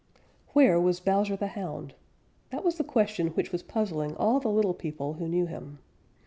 _ Where was Bowser the Hound? That was the question which was puzzling all the little people who knew him.